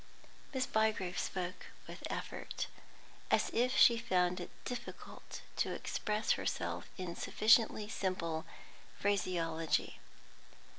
Miss Bygrave spoke with effort, as if she found it difficult to express herself in sufficiently simple phraseology.